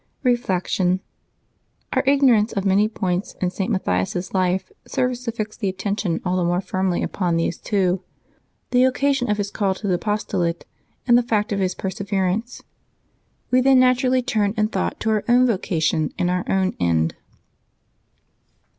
Reflection. — Our ignorance of many points in St. Mat thias's life serves to fix the attention all the more firmly upon these two — the occasion of his call to the apostolate, and the fact of his perseverance. We then naturally turn in thought to our own vocation and our own end.